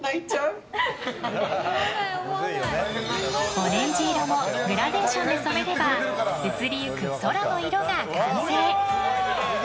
オレンジ色もグラデーションで染めれば移りゆく空の色が完成。